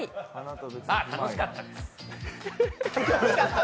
楽しかったです。